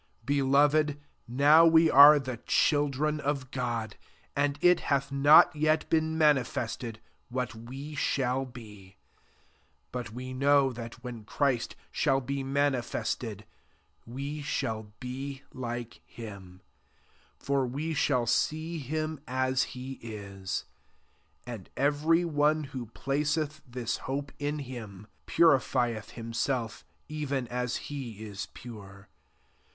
2 Beloved, now we are the children of God, and it hath no^ yet been manifested what we shall be: [but] we know that, when Chriat shall be mani fested, we shall be like him ; for we shall see him as he is. 3 And every one who placeth this hope in him, purifieth him self, even as he is pure.